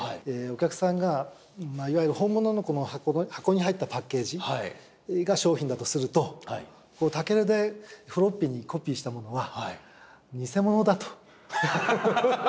お客さんがいわゆる本物の箱に入ったパッケージが商品だとするとＴＡＫＥＲＵでフロッピーにコピーしたものは偽物だと。